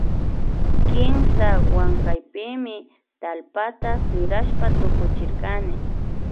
Kimsa hunkaypimi tallpata sirashpa tukuchirkani